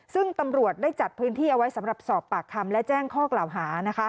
ซึ่งตำรวจได้จัดพื้นที่เอาไว้สำหรับสอบปากคำและแจ้งข้อกล่าวหานะคะ